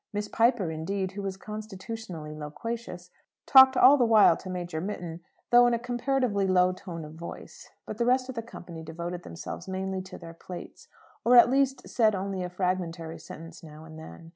Miss Piper, indeed, who was constitutionally loquacious, talked all the while to Major Mitton, though in a comparatively low tone of voice; but the rest of the company devoted themselves mainly to their plates; or at least said only a fragmentary sentence now and then.